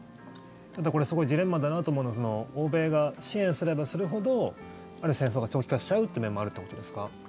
ただ、これすごいジレンマだなと思うのは欧米が支援をすればするほどある戦争が長期化しちゃうという面もあるということですか？